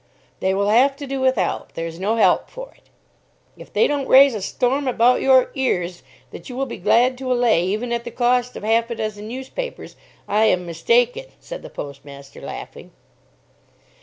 "They will have to do without. There is no help for it." "If they don't raise a storm about your ears that you will be glad to allay, even at the cost of half a dozen newspapers, I am mistaken," said the postmaster, laughing.